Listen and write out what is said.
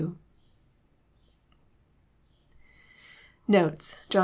Notes. John XI.